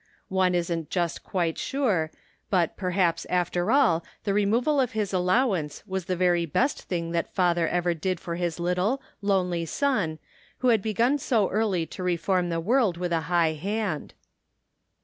One isn't just quite sure, but, perhaps after all, the removal of his allowancfe was the very best thing that father ever did for his little, lonely son who had begun so early to reform the world with a high hand.